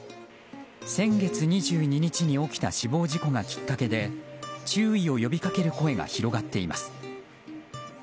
先月２２日に起きた死亡事故がきっかけで注意を呼びかける声が広がっています。